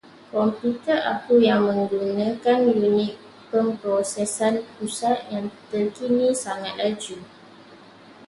Komputer aku yang menggunakan unit pemprosesan pusat yang terkini sangat laju.